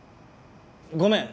ごめん！